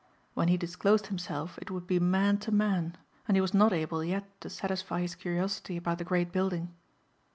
When he disclosed himself it would be man to man and he was not able yet to satisfy his curiosity about the great building.